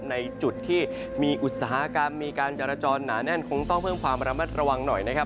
ในจุดที่มีอุตสาหกรรมมีการจรจรหนาแน่นคงต้องเพิ่มความระมัดระวังหน่อยนะครับ